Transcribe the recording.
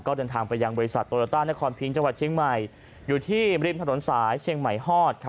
ก็เดินทางไปยังบริษัทโตโยต้านครพิงจังหวัดเชียงใหม่อยู่ที่ริมถนนสายเชียงใหม่ฮอด